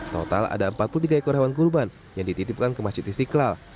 total ada empat puluh tiga ekor hewan kurban yang dititipkan ke masjid istiqlal